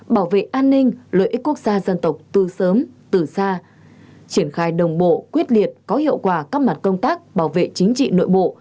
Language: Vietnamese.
bảo vệ an ninh lợi ích quốc gia dân tộc từ sớm từ xa triển khai đồng bộ quyết liệt có hiệu quả các mặt công tác bảo vệ chính trị nội bộ